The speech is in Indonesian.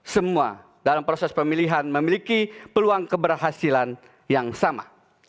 semua dalam proses pemilihan memiliki peluang keberhasilan yang sama